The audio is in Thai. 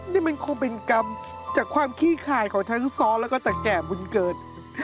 นี่มันคงเป็นกรรมจากความขี้คายของทั้งซ้อแล้วก็ตะแก่บุญเกิด